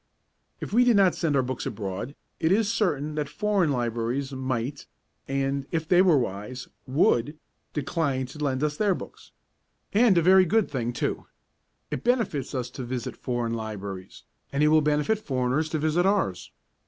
If we did not send our books abroad, it is certain that foreign libraries might, and, if they were wise, would, decline to lend us their books. And a very good thing too. It benefits us to visit foreign libraries, and it will benefit foreigners to visit ours.